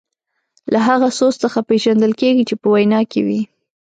له هغه سوز څخه پېژندل کیږي چې په وینا کې وي.